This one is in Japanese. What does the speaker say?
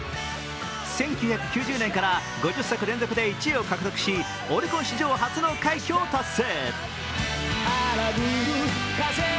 １９９０年から５０作連続で１位を獲得しオリコン史上初の快挙を達成。